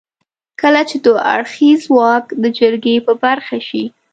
کله چې دوه اړخيز واک د جرګې په برخه شي.